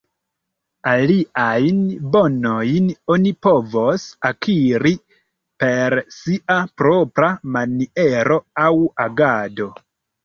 Aliajn bonojn oni povos akiri per sia propra maniero aŭ agado.